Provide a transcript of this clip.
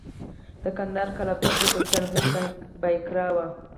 د کندهار قلعه بست د سلطان حسین بایقرا و